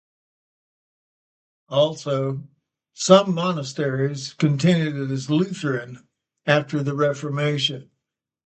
Also some monasteries continued as Lutheran after Reformation.